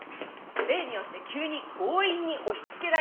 例によって急に強引に押し付けられた鑑定。